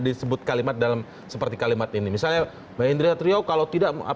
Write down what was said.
disebut kalimat seperti kalimat ini misalnya pak hendri latriau kalau tidak